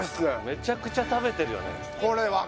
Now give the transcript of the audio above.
めちゃくちゃ食べてるよね